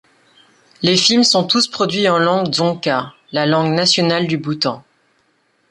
Les films sont tous produits en langue dzongkha, la langue nationale du Bhoutan.